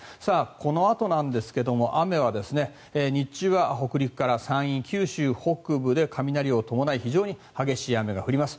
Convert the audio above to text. このあとなんですが雨は日中は北陸から山陰九州北部で雷を伴い非常に激しい雨が降ります。